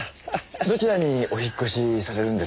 どちらにお引っ越しされるんですか？